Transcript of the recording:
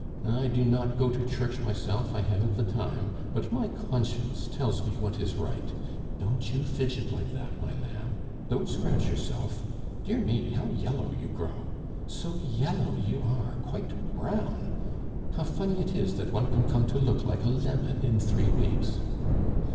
I do not go to church myself, I haven't the time; but my conscience tells me what is right.... Don't you fidget like that, my lamb! Don't scratch yourself!... Dear me, how yellow you grow! So yellow you are quite brown. How funny it is that one can come to look like a lemon in three weeks!...